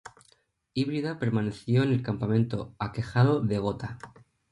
Híbrida permaneció en el campamento aquejado de gota.